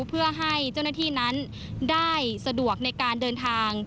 เพื่อให้เจ้าหน้าที่นั้นได้สะดวกในการเดินทาง